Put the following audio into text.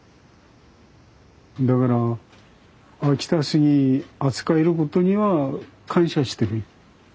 だから秋田杉扱えることには感謝してる。